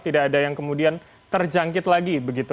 tidak ada yang kemudian terjangkit lagi begitu